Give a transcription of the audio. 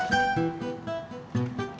tati disuruh nyiram